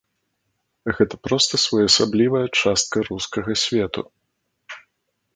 Гэта проста своеасаблівая частка рускага свету.